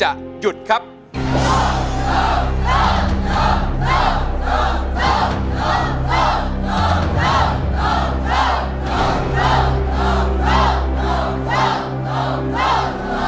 ถ้าสู้ตอก็มีสิทธ